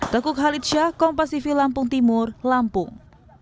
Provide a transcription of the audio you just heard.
dekuk halid shah kompas sivil lampung timur lampung